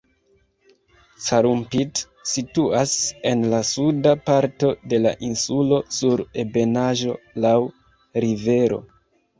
Calumpit situas en la suda parto de la insulo sur ebenaĵo laŭ rivero.